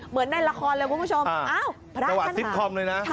เหมือนในละครเลยคุณผู้ชมเอ้าพระราชท่านหาจังหวะซิปคอมเลยนะใช่